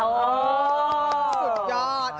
สุดยอด